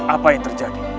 apa yang terjadi